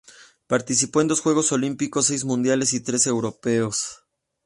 Participó en dos Juegos Olímpicos, seis Mundiales y tres Europeos.